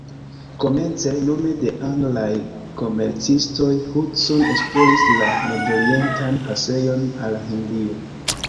Komence, nome de anglaj komercistoj, Hudson esploris la nordorientan pasejon al Hindio.